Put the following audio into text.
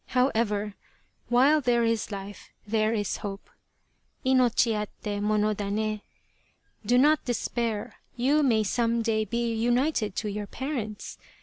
However, ' while there is life there is hope ' [inochi atte monodanc]. Do not despair, you may some day be united to your parents.